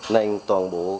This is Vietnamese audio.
nên toàn bộ